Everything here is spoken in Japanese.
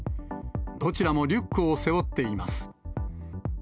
どちらもリュックを背負っています。